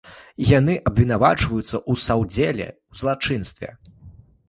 Яны абвінавачваюцца ў саўдзеле ў злачынстве.